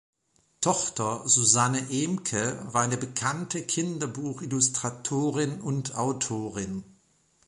Tochter Susanne Ehmcke war eine bekannte Kinderbuchillustratorin und -autorin.